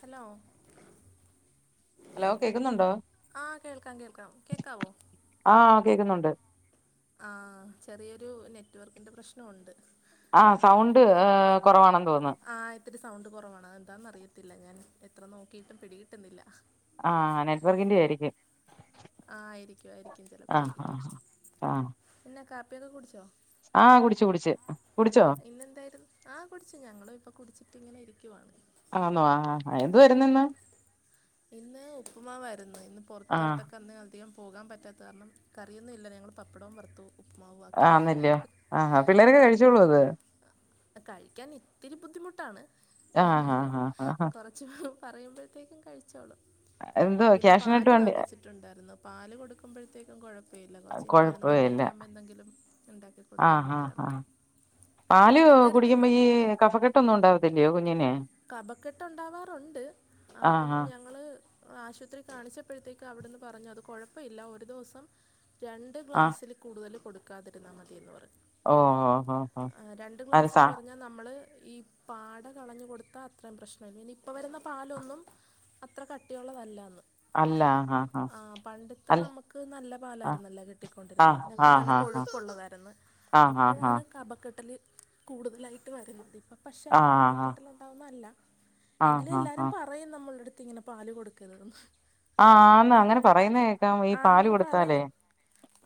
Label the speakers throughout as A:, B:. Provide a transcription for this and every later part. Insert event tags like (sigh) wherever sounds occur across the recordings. A: Hello
B: hello കേക്കുന്നുണ്ടോ
A: ആഹ കേൾക്കാം കേൾക്കാം കേക്കാവോ
B: ആഹ കേക്കുന്നുണ്ട്
A: ആ ചെറിയൊരു നെറ്റ്വർക്കിന്റെ പ്രശ്നംുണ്ട്
B: ആ സൗണ്ട് കുറവാണെന്ന് തോന്നുന്നു
A: ഒത്തിരി സൗണ്ട് കുറവാണ് എന്താന്ന അറിയത്തില്ല ഞാൻ എത്ര നോക്കിയിട്ടും പിടികിട്ടുന്നില്ല
B: ആഹ്‌ നെറ്റ് വർക്കിന്റെ ആയിരിക്കും
A: ആയിരിക്കും ആയിരിക്കും
B: ആഹ്
A: ചിലപ്പായിരിക്കും
B: ആഹ് ആഹ്
A: പിന്നെ കാപ്പിയൊക്കെ കുടിച്ചോ
B: ആഹ് കുടിച്ചു കുടിച്ച് കുടിച്ചോ
A: ഇന്നെന്തായിരുന്നു ആ കുടിച്ചു ഞങ്ങളും ഇപ്പം കുടിച്ചിട്ട് ഇങ്ങനെ ഇരിക്കുവാണ്
B: ആന്നോ ആഹ് ആഹ് എന്തുവായിരുന്നു ഇന്ന്
A: ഇന്ന് ഉപ്പുമാവായിരുന്നു ഇന്ന് പുറത്ത്
B: ആഹ്
A: ഇന്ന് അധികം പോകാൻ പറ്റാത്ത കാരണം കറിയൊന്നും ഇല്ല ഞങ്ങൾ പപ്പടവും വർത്തു
B: ആന്നല്ലോ ആ പിള്ളേരൊക്കെ കഴിച്ചോളൂ അത്
A: കഴിക്കാൻ ഇത്തിരി ബുദ്ധിമുട്ടാണ്
B: ആഹ്
A: എന്നാലും
B: ആഹ് ആഹ്
A: കൊറ ച്ച് പറയുമ്പോഴത്തേക്കും കഴിച്ചോളൂ
B: എന്തോ
A: പിന്നെ
B: ക്യാഷിനായിട്ട്
A: പാല്
B: വേണ്ടി
A: വാങ്ങി ച്ചിട്ടുണ്ടായിരുന്നു പാല് കൊടുക്കുമ്പോഴത്തേക്കും കുഴപ്പം അപ്പല്ല കുറച്ച് ഇനി പതിനൊന്ന്
B: കൊഴപ്പമില്ല
A: മണിയൊക്കെ ആകുമ്പോൾ എന്തെങ്കിലും ഉണ്ടാക്കി കൊടുത്താൽ
B: ആഹ് ആഹ്
A: മതിയാൾക്ക്
B: ആഹ് പാല് കുടിക്കുമ്പോ ഈ കഫക്കെട്ടൊന്നും ഉണ്ടാവത്തില്ലയോ കുഞ്ഞിനെ
A: കപക്കെട്ട് ഉണ്ടാവാറുണ്ട് അപ്പം
B: ആഹ് ആഹ്
A: ഞങ്ങൾ ആശുപത്രി കാണിച്ചപ്പോഴത്തേക്ക് അവിടെന്ന് പറഞ്ഞു അത് കുഴപ്പമില്ല ഒരു ദിവസം രണ്ട്
B: ആഹ്
A: ഗ്ലാസ്സിൽ ക്കൂട്തൽ കൊടുക്കാതിരുന്നാൽ മതിയെന്ന് പറഞ്ഞു.
B: ഓ ഓ ഓ ഓ
A: എ രണ്ട്
B: അത് സ
A: ഗ്ലാസെന്ന് പറഞ്ഞാ നമ്മള് ഈ പാട കളഞ്ഞു കൊടുത്താ അത്രയും പ്രശ്നല്ല പിന്നെ ഇപ്പ വരുന്ന പാലൊന്നും അത്ര കട്ടിയുള്ളതല്ലന്ന്
B: അല്ലാ ഹ
A: പണ്ടത്തെ നമുക്ക് നല്ല
B: ആഹ്
A: പാലായിരുന്നു അല്ലോ കിട്ടിക്കൊണ്ടിരുന്നത് അതിനൊക്കെ നല്ല കൊഴുപ്പുള്ളതായിരുന്നു
B: ആ ഹാ ഹാ
A: കപക്കെട്ടല് കൂടുതലായിട്ട് വരുന്നത് ഇപ്പോ പക്ഷെ
B: ആഹ്
A: അങ്ങനെ
B: ആഹ്
A: കപക്കെട്ടൽ ഉണ്ടാവുന്നല്ല എങ്കിലും
B: ആഹ് ആഹ് ആഹ്
A: എല്ലാരും
B: ആഹ്
A: പറയും നമ്മളുടെ അടുത്ത് ഇങ്ങനെ പാല് കൊടുക്കരുതെന്ന്
B: ആഹ് ആന്ന്
A: ആ
B: അങ്ങനെ പറയുന്നേ കേക്കാം ഈ പാല് കൊടുത്താലേ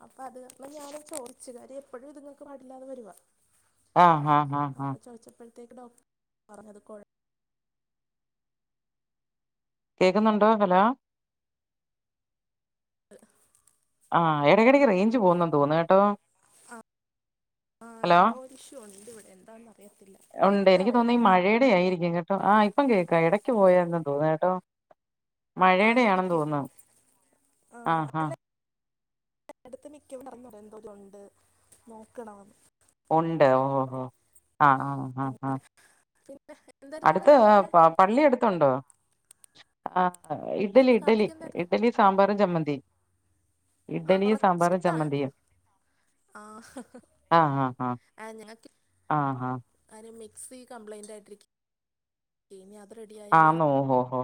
A: അപ്പൊ അത് (unintelligible) ഞാൻ ചോയ്ച്ച് കാര്യം എപ്പോഴും ഇതുങ്ങക്ക് പാടില്ലാതെ വരുവാ
B: ആഹ് ആഹ് ആഹ് ആഹ്
A: അപ്പൊ ചോദിച്ചപ്പോഴത്തേക്ക് ഡോക്ടർ പറഞ്ഞത് കൊഴ
B: കേക്കുന്നുണ്ടോ ഹലോ
A: (inaudible)
B: ആ എടയ്ക്കടയ്ക്ക് റേഞ്ച് പോകുന്ന് തോന്നുന്നു കേട്ടോ
A: ആ ആ
B: ഹലോ
A: എന്തോ ഇഷ്യു ഉണ്ട് ഇവിടെ എന്താന്ന് അറിയത്തില്ല
B: ഉണ്ട് എനിക്ക്
A: കേൾക്കാവോ
B: തോന്നുന്നു ഈ മഴയുടെ ആയിരിക്കും കേട്ടോ ആഹ് ഇപ്പം കേൾക്കാ ഇടയ്ക്ക് പോയായി ര്ന്നു തോന്നുന്നു കേട്ടോ മഴയുടെയാണെന്ന്
A: ആയിരിക്കും
B: തോന്നാ
A: ആ,
B: ആഹ്
A: അല്ല
B: ആഹ്
A: അടുത്ത് മി (inaudible) എന്തോലും ഉണ്ട് നോക്കണം
B: ഉണ്ട് ഓ ഹോ ആ ആ
A: (inaudible)
B: അടുത്ത്
A: രാവിലെ
B: പ പള്ളി എടുത്തുണ്ടോ ആ ഇഡലി
A: ഇന്ന്
B: ഇഡ്ഡലി
A: കാപ്പിക്ക് എന്തായിരുന്നു
B: ഇഡലി സാമ്പാറും, ചമ്മന്തി
A: ആഹ്
B: ഇഡ്ഡലിയും സാമ്പാറും
A: കൊറച്ച്ത്താ
B: ചമ്മന്തിയും
A: ആഹ് ഹ ഹ
B: ആഹ് ആഹ് ആഹ്
A: അങ്ങനൊക്കെ
B: ആഹ് ആഹ്
A: അയ്ന് മിക്സി കംപ്ലൈന്റ് ആയിട്ടി ഇരിക്കാ ഇനി അത് റെഡി ആയാലേ
B: ഓ ഓ ഹോ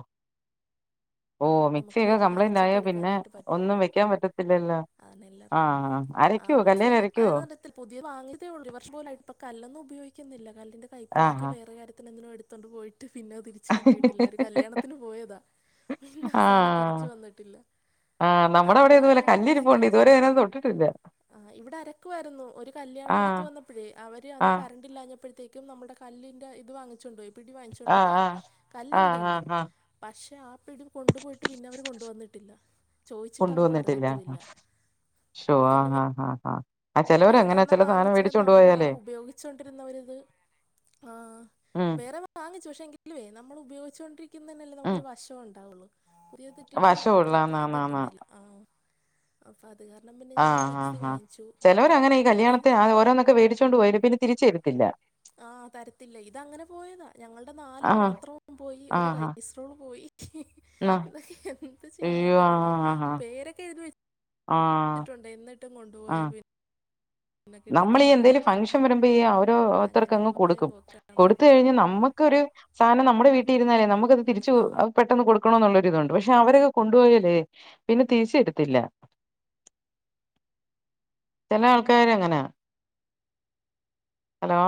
B: ഓ മിക്സി
A: നമുക്ക്
B: ഒക്കെ കംപ്ലൈന്റ് ആയ
A: അരച്ചൊക്കെ
B: പിന്നെ
A: എടുക്കാനായിട്ട്
B: ഒന്നും
A: പറ്റുള്ളൂ
B: വെക്കാൻ പറ്റത്തില്ലല്ലോ
A: അതന്നെ എല്ലാർക്കും
B: ആഹ് അരക്കൂ കല്ലേല് അരയ്ക്കുവോ
A: പുതിയ വാങ്ങിയതേ ഉള്ളൂ ഒരു വർഷ പോല ആ ഇപ്പം കല്ലൊന്നും ഉപയോഗിക്കുന്നില്ല കല്ലിന്റെ കൈപ്പിളൊക്കെ
B: ആഹ്
A: വേറെ കാര്യത്തിനെ എന്തിനോ എടുത്ത് തോണ്ട് പോയിട്ട് പിന്നെ തിരിച്ച് കിട്ടിയിട്ടില്ല ഒരു കല്യാണത്തിന് പോയതാ പിന്നെ പ്പം അങ്ങനെ
B: ആഹ്
A: തിരിച്ചു വന്നിട്ടില്ല
B: ആഹ് നമ്മുടെ അവിടെ ഇത്
A: അങ്ങനെയാണ്
B: പോലെ
A: ഞങ്ങൾ മിക്സി
B: കല്ലിരിപ്പുണ്ട്
A: വാങ്ങിച്ചേ
B: ഇതുവരെ അതിനെ തൊട്ടിട്ടില്ല
A: ആ ഇവിടെ അരക്കു വായിരുന്നു ഒരു കല്യാണം അടുത്ത്
B: ആഹ്
A: വന്നപ്പോഴേ അവര് അന്ന്
B: ആഹ്
A: കറണ്ട്ല്ലാഞ്ഞപ്പോഴ ത്തേക്കും നമ്മുടെ കല്ലിന്റെ ഇത് വാങ്ങിച്ചൊണ്ട് പോയി പിടി വാങ്ങിച്ചോണ്ട്
B: ആഹ്
A: പോയി
B: ആഹ്
A: കല്ല്
B: ആഹ്
A: ഇവിടെണ്ട്
B: ആഹ് ആഹ്
A: പക്ഷെ ആ പിടി കൊണ്ടുപോയിട്ട് പിന്നെവര് കൊണ്ടുവന്നിട്ടില്ല ചോദിച്ചിട്ട്
B: കൊണ്ട്
A: അവർക്ക്
B: വന്നിട്ടില്ല
A: അറിയത്തുമില്ല
B: ഷോ ആ
A: പിന്നെ
B: ആ ആ ചെലോര്
A: വേറെ
B: അങ്ങനാ
A: ഒരെണ്ണം
B: ചെല സാധനം
A: വാങ്ങിച്ചലും
B: മേടിച്ചോണ്ട്
A: നമ്മൾ ആ
B: പോയാലേ
A: ഉപയോഗിച്ചു കൊ ണ്ടിരുന്നരിന്ന് ഒരു ഇത് ആഹ്,
B: ഉം
A: വേറെ വാങ്ങിച്ചു, പക്ഷെ എങ്കിലുവേ നമ്മൾ ഉപയോഗിച്ചുകൊണ്ടിരിക്കുന്നന്നെല്ലേ നമുക്ക്
B: ഉം
A: ഒരു വശ ഉണ്ടാവുള്ളൂ പുതിയ കിട്ടിട്ട് അത്ര ഇത്
B: വശമുള്ളാന്നാന്നാന്ന്
A: കിട്ടുന്നില്ല ആഹ് അപ്പൊ അത് കാരണം പിന്നെ ഞങ്ങള് മിക്സി വാങ്ങിച്ചു. മിക്സി
B: കല്യാണൊക്കെ ആയി, ഓരോന്നൊക്കെേടിച്ചൊണ്ട് പോയിട്ട പിന്നെ തിരിച്ചുതരുത്തില്ല.
A: ആഹ്, തരത്തില്ല ഇത് അങ്ങനെ പോയതാ ഞങ്ങളുടെ നാല്
B: ആഹ്
A: പാത്രവും പോയി ഒരു
B: ആഹ്
A: കൈ
B: ആഹ്
A: പോയി
B: ന്നാ
A: ഇതക്കെ എന്ത്
B: അയ്യോ
A: ചെയ്യുന്നറിയില്ല,
B: ആഹ് ആഹ്
A: പേരൊക്കെ എഴുതി വെ
B: ആഹ്
A: ട്ടുണ്ട്, എന്നിട്ടും കൊണ്ടുപോയ പിന്നെ
B: നമ്മൾ ഈ
A: കിട്ടത്തില്ല
B: എന്തേലും
A: നമുക്ക്
B: ഫംഗഷൻ വരുമ്പോ ഈ ഓരോരുത്തർക്ക്
A: അങ്ങനെ
B: അങ്ങ്
A: പോയ
B: കൊടുക്കും
A: പോക്കാണ്
B: കൊടുത്ത് കഴിഞ്ഞഞ നമ്മുക്കൊരു സാധനം നമ്മുടെ വീട്ടിൽരുന്നാലേ നമുക്കത് തിരിച്ച് കൊ
A: ആ
B: പെട്ടെന്ന് കൊടുക്കണന്നുള്ളരിതുണ്ട്, പക്ഷെ അവരത് കൊണ്ടുപോയാലേ പിന്നെ തിരിച് തരത്തില്ല ചില ആൾക്കാരങ്ങെനെ ന, ഹലോ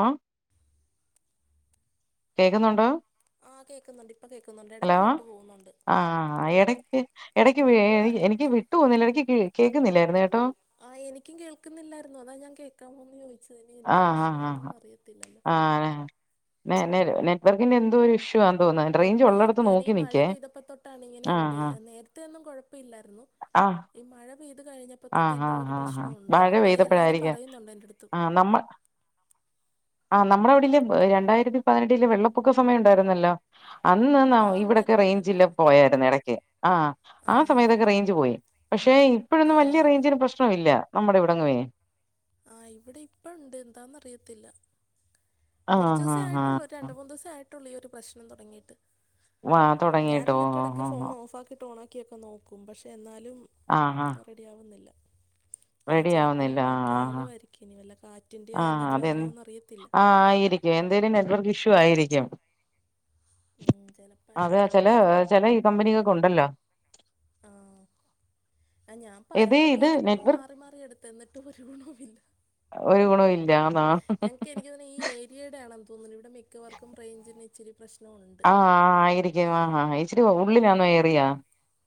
B: കേൾക്കുന്നുണ്ടോ?
A: ആഹ് കേക്കുന്നുണ്ട് കേൾക്കുന്നുണ്ട്.
B: ഹലോ ആഹ്, എടക്ക് എടയ്ക്ക് എനിക്ക് വിട്ടു പോന്നുന്നില്ല, എടക്ക് കേൾക്കുന്നില്ലായിരുന്നു കേട്ടോ
A: ആഹ് എനിക്കും കേൾക്കുന്നില്ലായിരുന്നു, അതാ ഞാൻ കേൾക്കാമോ എന്ന് ചോദിച്ചത്, ഇനി എന്റെ
B: ആഹ് ആഹ്
A: പ്രശ്നാണോന്ന് അറിയത്തില്ലല്ലോ.
B: ആഹ് നെറ്റ് വർക്കിന്റെ എന്തോ ഒരു ഇഷ്യൂ വാന്ന് തോന്നുന്നു റേഞ്ച്
A: ഉണ്ട്
B: ഉള്ളടത്ത്
A: എനിക്ക്ന്നെ ഈ
B: നോക്കി
A: മഴ
B: നിക്കേ
A: പെയ്തപ്പ തൊട്ടാണ്ട് ഇങ്ങനെ ഉണ്ട്,
B: ആഹ് ആഹ്
A: നേരതെ ഒ ന്നും കുഴപ്പമില്ലായിരുന്നു.
B: ആഹ്
A: ഈ മഴ പെയ്ത് കഴിഞ്ഞ
B: ആഹ്, ആഹ്, ആഹ്, ഹാ മഴ
A: എല്ലാരും
B: പെയ്തപ്പഴായിരിക്കും,
A: പറയുന്നുണ്ട് എന്റെ അടുത്ത്
B: ആ നമ്മൾ ആ നമ്മുടെയിടെൽ ആ രണ്ടായിരത്തി പതിനെട്ടില് വെള്ളപ്പൊക്ക സമയം ഉണ്ടായിരുന്നല്ലോ അന്ന് ന്ന,
A: ആഹ്
B: ഇവിടൊക്കെ
A: ഉണ്ടായിരുന്നു
B: റേഞ്ചില്ല
A: ഉണ്ടായിരുന്നു
B: പോയായിരുന്നു ഇടക്ക് ആഹ് ആ
A: ആഹ്
B: സമയത്തൊക്കെ റേഞ്ച് പോയി, പക്ഷെ ഇപ്പോഴൊന്നും വ
A: ആഹ്
B: ഒരുപ്രശ്നോ ഇല്ല, നമ്മുടെ ഇവിടെങ്ങും
A: ആഹ്, ഇവിടെ ഇപ്പ ഉണ്ട് എന്താന്നറിയത്തില്ല കുറച്ച
B: ആഹ്
A: ദിവസേ
B: ആഹ്
A: ആയിട്ടുള്ളൂ, ഒരു രണ്ട്
B: ആഹ്
A: മൂന്ന് ദിവസം ആയിട്ടുള്ളൂ ഈ ഒരു പ്രശ്നം തുടങ്ങിയിട്ട്.
B: വാ
A: ഞാൻ
B: തുടങ്ങിട്ടോ ഓഹ്
A: എന്നിട്ടിടക്ക്
B: ഓഹ്
A: ഫോൺ ഓഫ് ആക്കിട്ട് ഓൺ ആക്കിയൊക്കെ നോക്കും പക്ഷെ എന്നാലും
B: ആഹ്, ആഹ്
A: ശെരിയാവുന്നില്ല, ആ
B: റെഡി ആവുന്നില്ല
A: ചിലപ്പോക്കെ
B: ആഹ്
A: ആകുമായിരിക്കും, വല്ല കാ
B: ആഹ്, അതെ ആ (unintelligible) എന്തേലും നെറ്റ് വർക്ക് ഇഷ്യൂ ആയിരിക്കും,
A: ചിലപ്പോൾ
B: അഥവാ
A: ആയിരിക്കും
B: ചെലെ ചെല ഈ കമ്പനി കൊക്കെ ഉണ്ടല്ലോ.
A: ആഹ് ആ ഞാൻ
B: ഇത്
A: പലപല
B: ഇത്
A: ഇതും,
B: നെറ്റ്വർക്ക്
A: മാറി, മാറി എടു തന്നിട്ട് ഒരുഗുണോവിണ്ട്
B: ഒരു, ഗുണോവില്ലാ അഹാ
A: ഇക്കൊന്നുണു ഈ ഏരിയടെ ആണെന്ന് തോന്നുന്നു, ഇവിടെ മിക്കവർക്കും റേഞ്ചിന്റെ ഇച്ചിരി പ്രശ്നോണ്ട്
B: ആഹ് ആയിരിക്കും, ആഹ്, ഹ, ഹ ഇച്ചിരി ഉള്ളിലാണോ ഏരിയ?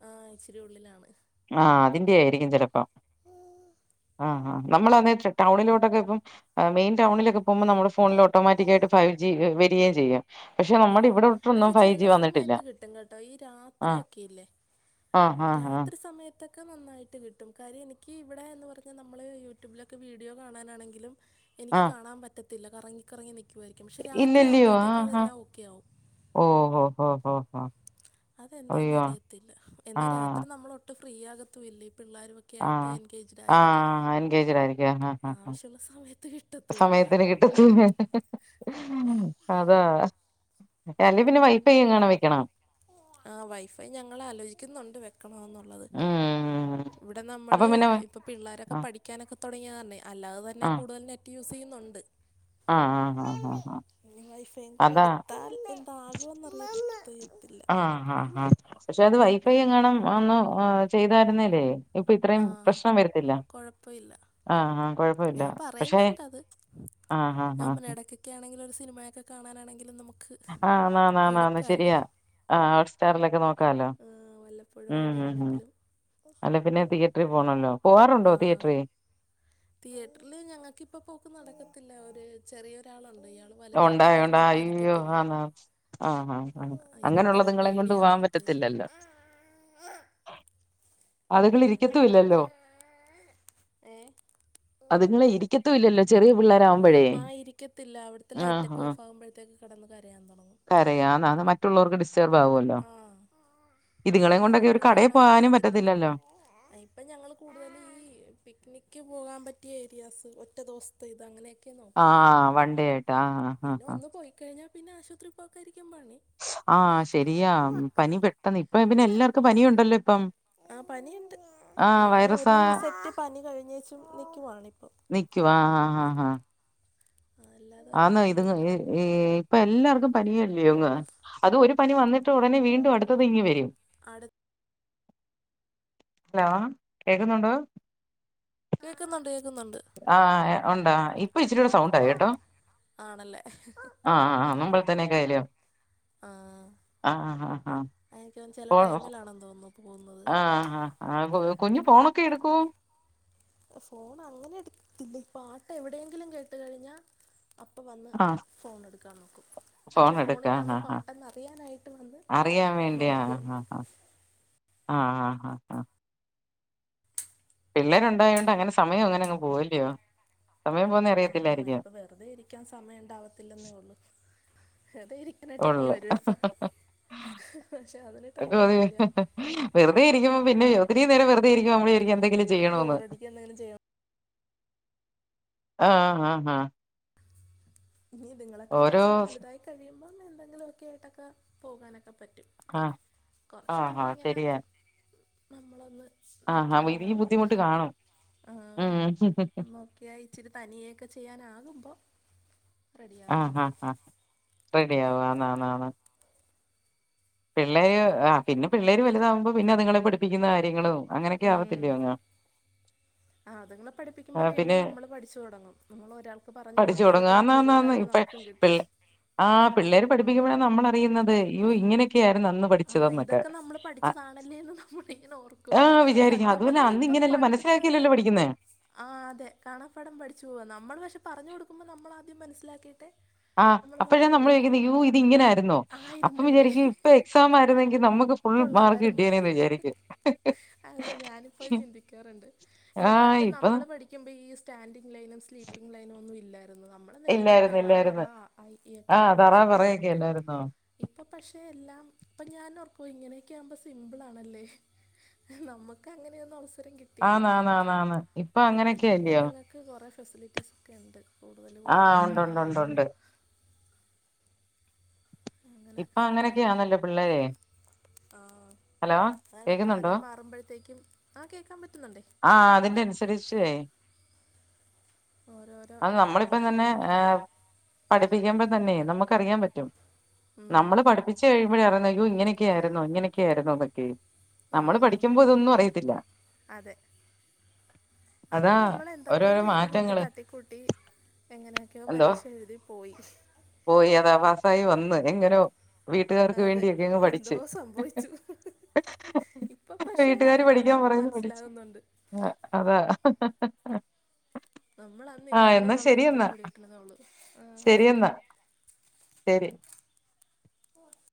A: ആഹ്, ഇച്ചിരി ഉള്ളിലാണ്
B: ആഹ് അതിന്റെ ആയിരിക്കും ചിലപ്പോം, ആഹ് ആഹ്, നമ്മൾ അന്ന് ടൗണിലോട്ടൊക്കെ ഇപ്പം ആഹ് മെയിൻ ടൗണിലൊക്കെ പോകുമ്പോ നമ്മള ഫോണില് ഓട്ടോമാറ്റിക്കായിട്ട് ഫൈവ്ജി വരികയാ ചെയ്യ പക്ഷെ
A: ആ
B: നമ്മുടെ ഇവിടെട്തൊന്നും
A: പക്ഷെ ചില
B: ഫൈവ്ജി വന്നിട്ടില്ല
A: സമയത്ത് കിട്ടും കേട്ടോ ഈ
B: ആഹ്
A: രാത്രിയൊക്കെ ഇല്ലേ
B: ആഹ് ആഹ് ആഹ്
A: രാത്രി സമയ തൊക്കെ നന്നായിട്ട് കിട്ടും, കാരണം എനിക്ക് ഇവിടെ എന്ന് പറഞ്ഞാൽ നമ്മള് യൂട്യൂബിലൊക്കെ വീഡിയോ കാണാനാണെങ്കിലും എനിക്ക്
B: ആഹ്
A: കാണാൻ പറ്റത്തില്ല കറങ്ങിക്കറങ്ങി നിക്കുവായിരിക്കും പക്ഷേ രാത്രി ആവുമ്പോഴത്തേക്ക് അതെല്ലാം ഓക്കെ ആവും
B: ഓ ഹോ ഹൊ ഓ ഓ
A: അതെന്താന്ന് അറിയത്തില്ല എന്നാ
B: ആഹ്
A: രാത്രി നമ്മൾ ഒട്ടുംഫ്രീ ആകത്തൂല്ലഇ പിള്ളാരും ക്കെ ആയിട്ട്
B: ആഹ്
A: എൻഗേജ്ഡ് ആയിരിക്കും
B: ആഹ് എൻഗേജ്ഡ് ആയിരിക്കും ആഹ് ആഹ്
A: ആവശ്യമുള്ള സമയത്ത് കിട്ടത്തൂല്ല
B: സമയത്തിന് (unintelligible) അതാ അല്ലേ പിന്നെ
A: ഇല്ലെടി
B: വൈഫൈ എങ്ങാനും വെക്കണം
A: ആ വൈഫൈ ഞങ്ങളാലോചിക്കുന്നുണ്ട് വെ ക്കണോന്നുള്ളത്.
B: ഉം
A: ഇവിടെ
B: അപ്പൊ
A: നമ്മള്
B: പിന്നെ
A: ഇപ്പോ പിള്ളോരൊക്കെ
B: ആ
A: പഠിക്കാനൊക്കെ തുടങ്ങിയല്ലെ അല്ലാതെ തന്നെ
B: ആ
A: കൂടുതൽ നെറ്റ് യൂസ് ചെയ്യുന്നുണ്ട്
B: ആ ആ ആ ആ ആ
A: ഇനി വൈഫയും കൂടെ
B: അതാ
A: എടുത്താൽ പി - ഇപ്പ അക്കോ (unintelligible)
B: ആ ആഹ അ പക്ഷെ അത് വൈഫൈ
A: അങ്ങനെ
B: എങ്ങാനും ഒന്ന് ചെയ്തായിരുന്നില്ലേ ഇപ്പൊ ഇത്രയും
A: ആ
B: പ്രശ്നം വരത്തില്ല.
A: കുഴപ്പമില്ല
B: ആഹ് ആ കൊഴപ്പമില്ല
A: ഞാൻ
B: പക്ഷേ
A: പറയുന്നുണ്ട്
B: ആ ഹ ആ
A: ക്കെ ആണങ്കില് ഒരു സിനമയൊക്കെ കാണാനാണെലും നമുക്ക്
B: ആഹ് ന്നാ ന്നാ
A: എടുക്കാമല്ലോ
B: ശരിയാഅ ഹോട്ട് സ്റ്റാറിലൊക്കെ നോക്
A: ഹ് വല്ലപ്പോഴും കൂടെ ആണെങ്കിലും
B: അല്ല പിന്നെ തിയേറ്ററിൽ പോണോലോ പോവാറുണ്ടോ
A: ആ
B: തിയേറ്ററി
A: തിയേറ്ററിൽ ഞങ്ങൾക്കിപ്പോ പോക്ക് നടക്കത്തില്ല ഒരു ചെറിയൊരാളുണ്ട് ഇയാള്
B: ഉണ്ടായിണ്ടാഓ അഹോ ആനെ ആഹ ആ അണ്
A: ഇരുട്ടൊക്കെ
B: അങ്ങനെയുള്ളകൊണ്ട്
A: പേടിയാണ്
B: പോവാൻ
A: ആൾക്ക്
B: പറ്റത്തില്ലല്ലോ അതുകള്
A: അപ്പം അത് കാരണം
B: ഇരിക്കതുല്ലല്ലോ
A: ഏ
B: അതുങ്ങള് ഇരിക്കത്തൂല്ലല്ലോ ചെറിയ പിള്ളാരാവുമ്പയ്
A: റ്റത്തില്ല അവിടുത്തെ ലൈറ്റക്കെ ഓഫാകുമ്പഴേക്ക് കിടന്ന് കരയാൻ തുടങ്ങും
B: കരയാന്നാ ത് മറ്റുള്ളോർക്ക് ഡിസ് ട്ടർബ് അവൊല്ല
A: ആ പിന്നെ
B: ഇതുങ്ങളെയും കൊണ്ടൊക്കെ ഒരു
A: നമുക്കും
B: കടയിൽ
A: കാണാൻ
B: പോകാനും
A: പറ്റത്തില്ല
B: പറ്റത്തില്ലല്ലോ
A: ഇപ്പം ഞങ്ങൾ കൂടുതൽ ഈ പിക്നിക്ക് പോകാൻ പറ്റിയ ഏരിയാസ് ഒറ്റ ദെവ സത്തെ ഇത് അങ്ങനെെ ഒക്ക് ക്കെ
B: ആ
A: നോക്കുന്നത്ആ
B: വൺഡേ ആയിട്ട് ആ ആ
A: പിന്നെ
B: ആ
A: ഒന്ന് പോയിക്കഴിഞ്ഞാൽ പിന്നെ ആശുപത്രി പോക്കായിരിക്കും പണി
B: ആശെരിയാ പനി പെട്ടന്ന് ഇപ്പം പിന്നെ എല്ലാർക്കും പനിണ്ടല്ലോ ഇപ്പം
A: ആ പനിണ്ട്
B: ആ
A: ഞങ്ങൾ
B: വൈറസാ
A: ഒരു സെറ്റ് പനി കഴിഞ്ഞച്ചും നൽക്കുവാണ ഇപ്പൊ
B: നിക്കു വാ ആ ആ ആഹ് ആഹ
A: ആ എല്ലാര
B: ആന്നാ ഇതുങ്ങ ഈ ഈ ഇപ്പൊ എല്ലാർക്കും പനിയല്ലോങ്ങ് അത് ഒരു പനി വന്നിട്ട് ഉടനെ വീണ്ടും അടുത്തത് ഇങ്ങ് വരും.
A: അടുത്ത -
B: ഹലോ കേക്കുന്നുണ്ടോ?
A: കേക്കുന്നുണ്ട് കേക്കുന്നുണ്ട്
B: ആ യെ ഉണ്ടോ ഇപ്പൊ ഇച്ചിരി കൂടെ സൗണ്ടായി കേട്ടോ
A: ആണല്ലേ (unintelligible)
B: തനക്കായലോ ആ ആ
A: എനിനക്ക് ചില ടൈമിലാണെന്ന് തോന്നും
B: ആഹ ആ ആ കൊഞ്ഞു ഫോണൊക്കെ എടുക്കൂ
A: ഫോൺ അങ്ങനെ എടുത്തില്ലഈ പാട്ട് എവിടെയെങ്കിലും കേട്ട് കഴിഞ്ഞാ അപ്പ വന്ന്
B: ആഹ്
A: ഫോൺ എടുക്കാൻ നോക്കും
B: ഫോൺ
A: എന്നച്ചാ
B: എടുക്കാ
A: ഫോണിലാണോ
B: ആ ആ
A: പാട്ടന്ന് അറിയാനായിട്ട് വന്ന്
B: ആ അറിയാൻ
A: നോക്കും
B: ആഹ ആ ആ ആഹ പിള്ളേരുണ്ടായുകൊണ്ട് അങ്ങനെ സമയം അങ്ങനെ അങ്ങ് പോയില്ലയോ സമയം പോണെ
A: ആ ഇപ്പൊ വെറുതെ ഇരിക്കാൻ സമയം ഉണ്ടാവത്തില്ലെന്നേ ഉള്ളൂ ഏതായിരി അങ്ങനായിട്ട് പോയി
B: ഫോണില്
A: വരും ഇപ്പ പക്ഷെ അതില് ടൈമ ഉണ്ടില്ല
B: വെറുതെ ഇരിക്കുമ്പോ പിന്നെ ഒത്തിരി നേരം വെറുതെയിരിക്കുമ്പ നമ്മളു വിചാരിക്കും എന്തെങ്കിലും ചെയ്യണംന്ന്
A: ബോറടിക്കുക എന്തെങ്കിലും ചെയ്യണം
B: ആഹ് ആഹ് ആഹ്
A: ഇനി ഇതുങ്ങളൊക്കെ ഒന്ന്
B: ഓരോ
A: ഇച്ചിരി വലുതായി കഴിയുമ്പം എന്തെങ്കിലു ഒക്കെ ആയിട്ടൊക്കെ പോകാനൊക്കെ പറ്റും
B: ആഹ്
A: കുറച്ച്
B: ആഹ് ആഹ്
A: നാളിങ്ങനെ
B: ശരിയാ
A: നമ്മളൊന്ന്
B: ആഹ് ആഹ്
A: നിക്കണന്നേ
B: ഈ
A: ഉള്ളു
B: ബുദ്ധിമുട്ട് കാണും ഉം
A: ആഹ് ഇച്ചിരി തനിയൊക്കെ ചെയ്യാനാകുമ്പോൾ റെഡിയാകും
B: ആഹ് ഹ ഹ റെഡി ആവ ആണ് ആണ് ആണ് പിള്ളേര് ആഹ് പിന്നെ പിള്ളേര് വലുതാവകുമ്പോ പിന്നെ അതുങ്ങളെ പഠിപ്പിക്കുന്ന കാര്യങ്ങൾ അങ്ങനെയൊക്കെ ആവത്തില്ലോ അങ്ങ്
A: ആഹ് അതുങ്ങളെ പഠിപ്പുമ്പോൾ
B: ആ, പിന്നെ
A: വീണ്ടും നമ്മൾ പഠിച്ച് തുടങ്ങും നമ്മൾ ഒരാൾക്ക് പറഞ്ഞു
B: പഠിച്ചു തുടങ്ങും
A: കൊടുക്കുമ്പോഴത്തേക്ക് കൂടുതൽ അറിവ് നമുക്ക് ക്കും കിട്ടും
B: ആഹ് പിള്ളേര് പഠിപ്പിക്കുമ്പഴ നമ്മള അറിയുന്നത് ഇങ്ങനെ ഇതൊക്കെ ആയിരുന്നു അന്ന്
A: ആ
B: പഠിച്ചതെന്നൊക്കെ
A: ഇതൊക്കെ നമ്മൾ പഠിച്ചതാണല്ലേ എന്ന് നമ്മളിങ്ങനെ ഓർക്കും
B: ആഹ് വിചാരിക്കും
A: സത്യം
B: അതുപിന്നെ
A: പറഞ്ഞാൽ
B: അന്ന് ഇങ്ങനെ മനസിലാക്കിയല്ലല്ലോ പഠിക്കുന്നെ
A: ആഹ് അതെ കാണാപ്പാടം പഠിച്ചു പോവാ നമ്മൾ പക്ഷെ പറഞ്ഞു കൊടുക്കുമ്പോൾ നമ്മൾ ആദ്യം മനസ്സിലാക്കിയിട്ടെ
B: ആഹ് അപ്പഴേ നമ്മൾ ചോദിക്കുന്നത് അയ്യോ ഇത് ഇങ്ങനെ ആരുന്നോ അപ്പം
A: ആയിരുന്നല്ലേ
B: വിചാരിക്കും ഇപ്പ എക്സാം ആയിരുന്നെങ്കി നമുക്ക് ഫുൾ മാർക്ക്
A: കൊള്ളാമായിരുന്നു
B: കിട്ടിയനേന്ന് വിചാരിക്കും
A: അത് ഞാനിപ്പോൾ
B: ആ
A: പിന്നെ പണ്ട്
B: ഇപ്പൊ
A: നമ്മള് പഠി പിക്കുമ്പോ ഈ സ്റ്റാൻിംഗ് ലൈനും സ്ലീപ്പിംഗ് ലൈനും ഒന്നും ഇല്ലായിരുന്നു നേരെ
B: ഇല്ലായിരുന്നു
A: തറ പറ
B: ഇല്ലായിരുന്നു
A: അ ആ ഇ ഈ
B: ആ
A: ഒക്കെയാണ്
B: തറ
A: പഠിച്ചോണ്ടിരുന്നത്
B: പറയൊക്കെ അല്ലായിരുന്നോ
A: ഇപ്പ പക്ഷേ എല്ലാം അപ്പൊ ഞാൻ ഓർക്കും ഇങ്ങനെയൊക്കെ ആകുമ്പോ സിമ്പിൾ ആണല്ലേ നമുക്ക് അങ്ങനെയൊന്നും അവസരം കി
B: ആണ് ആണ് ആണ് ഇപ്പൊ അങ്ങനെയൊക്കെ അല്ലിയോ
A: കുഞ്ഞുങ്ങൾക്ക് കുറേ ഫെസിലിറ്റീസ് ഒക്കെ ഉണ്ട് കൂടുതൽ
B: ആ
A: കൂടുതൽ കാര്യങ്ങളുണ്ട്
B: ഉണ്ടുണ്ടുണ്ടുണ്ട്
A: അങ്ങനെ
B: ഇപ്പൊ അങ്ങനെയൊക്കെയാന്നല്ലോ പിള്ളേര്
A: ആഹ് അതാണ്
B: കേക്കുന്നുണ്ടോ
A: കാലം മാറുമ്പോഴത്തേക്കും ആ കേക്കാൻ പറ്റുന്നുണ്ടേ
B: ആഹ് അതിന്റെ അനുസരിച്ചേ
A: ഓരോരോ
B: അത് നമ്മളിപ്പം തന്നെ ഏ
A: കണ്ടുപിടുത്തങ്ങൾ
B: പഠിപ്പിക്കുമ്പോ തന്നെയേ നമുക്കറിയാൻ പറ്റും
A: ഉം.
B: നമ്മൾ പഠിപ്പിച്ചുകഴിയുമ്പഴ അറിയുന്നേ അയ്യോ ഇങ്ങനൊക്കെയായിരുന്നോ ഇങ്ങനെയൊക്കെയായിരുന്നോ എന്നൊക്കെ.
A: ആ,
B: നമ്മള് പഠിക്കുമ്പോ ഇതൊന്നും അറിയത്തില്ല.
A: അതെ അന്ന്
B: അതാ
A: നമ്മൾ എന്തൊക്കെയോ
B: ഓരോരോ
A: ചെയ്തു കൂട്ടി
B: മാറ്റങ്ങള്
A: തട്ടിക്കൂട്ടി എങ്ങനെയൊക്കെയോ
B: എന്തോ
A: പരീക്ഷ എഴുതി പോയി
B: പോയി അതാ പാസായി വന്ന് എങ്ങനോ വീട്ടുകാർക്ക്
A: അതെ
B: വേണ്ടിയൊക്കെ അങ്ങ്
A: എന്തോ
B: പഠിച്ച്
A: സംഭവിച്ചു ഇപ്പൊ പക്ഷെ
B: വീട്ടുകാര് പഠിക്കാൻ
A: അവയെല്ലാം
B: പറയുന്നു പഠിച്ച്
A: മനസ്സിലാകുന്നുണ്ട്
B: ആ അ
A: നമ്മൾന്ന് ഇതായിരുന്നുന്നുള്ളത് ഇപ്പോഴാ
B: ശരിയെന്നാ
A: പിടികിട്ടത ഉള്ളൂ ആ് ഓക്കേ
B: ശരിയെന്നാ ശരി.
A: (inaudible)